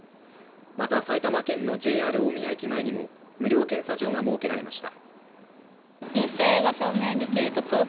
また、埼玉県のＪＲ大宮駅前にも無料検査場が設けられました。